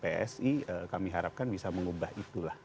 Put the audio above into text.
psi kami harapkan bisa mengubah itulah